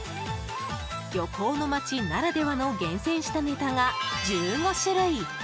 漁港の街ならではの厳選したネタが１５種類！